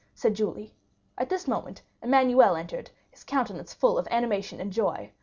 said Julie. At this moment Emmanuel entered, his countenance full of animation and joy.